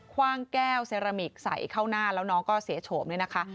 ว่างแก้วเซรามิกใส่เข้าหน้าแล้วน้องก็เสียโฉมเนี่ยนะคะ